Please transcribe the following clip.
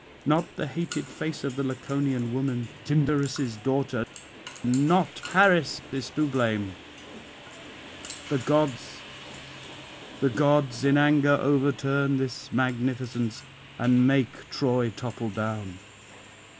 Not the hated face of the Laconian woman, Tyndarus' daughter; not Paris is to blame; the gods, the gods in anger overturn this magnificence, and make Troy topple down.